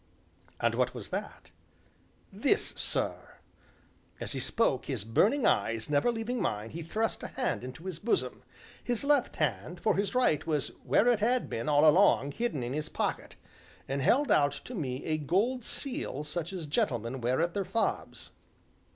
"And what was that?" "This, sir!" As he spoke, his burning eyes never leaving mine, he thrust a hand into his bosom his left hand, for his right was where it had been all along, hidden in his pocket and held out to me a gold seal such as gentlemen wear at their fobs.